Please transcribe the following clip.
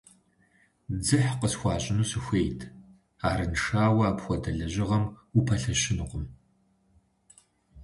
Дзыхь къысхуащӏыну сыхуейт - арыншауэ апхуэдэ лэжьыгъэм упэлъэщынукъым.